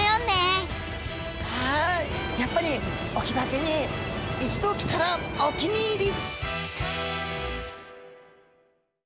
やっぱり隠岐だけに一度来たらお気に入り！